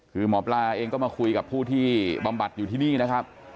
คือหมอปลาเองก็มาคุยกับผู้ที่บำบัดอยู่ที่นี่นะครับ